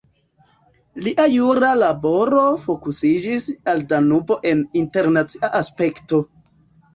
Lia jura laboro fokusiĝis al Danubo en internacia aspekto.